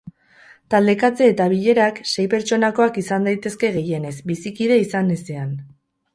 Taldekatze eta bilerak sei pertsonakoak izan daitezke, gehienez, bizikide izan ezean.